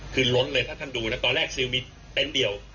คือล้นเลยถ้าท่านดูนะตอนแรกซิลมีเต็นต์เดียว